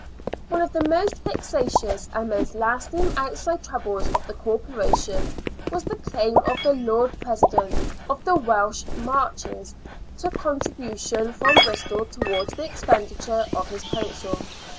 One of the most vexatious and most lasting outside troubles of the Corporation was the claim of the Lord President of the Welsh Marches to contributions from Bristol towards the expenditure of his Council.